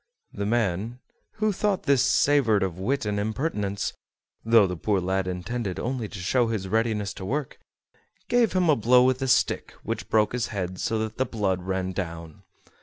The man, who thought this savored of wit and impertinence (though the poor lad intended only to show his readiness to work), gave him a blow with a stick which broke his head so that the blood ran down.